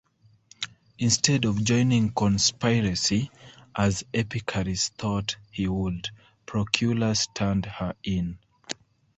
Instead of joining the conspiracy, as Epicharis thought he would, Proculus turned her in.